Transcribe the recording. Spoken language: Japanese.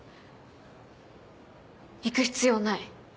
行く必要ない。